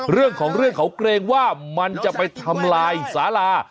เรื่องของเรื่องเขาเกรงว่ามันจะไปทำลายสารา